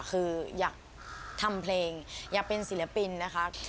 คืออยากทำเพลงอยากเป็นศิลปินนะคะ